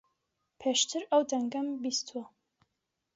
پێشتر ئەو دەنگەم بیستووە.